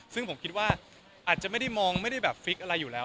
ซึ่งผมคิดว่าอาจจะไม่ได้มองไม่ได้แบบฟิกอะไรอยู่แล้ว